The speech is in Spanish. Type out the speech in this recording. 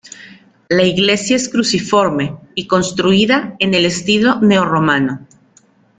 La iglesia es cruciforme y construida en el estilo neo-romano.